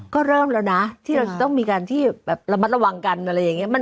ก็เริ่มแล้วนะที่เราต้องมีการที่แบบระวังกัน